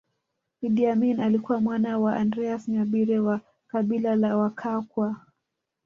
Idi Amin alikuwa mwana wa Andreas Nyabire wa kabila la Wakakwa